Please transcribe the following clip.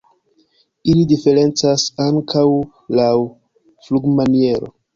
Ili diferencas ankaŭ laŭ flugmaniero.